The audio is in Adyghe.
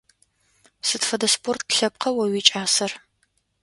Сыд фэдэ спорт лъэпкъа о уикӀасэр?